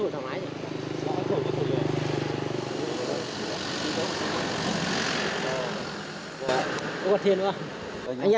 không uống rượu người tí nào nữa